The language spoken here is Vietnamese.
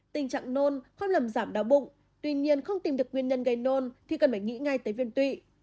tình trạng nôn không làm giảm đau bụng tuy nhiên không tìm được nguyên nhân gây nôn thì cần phải nghĩ ngay tới viên tụy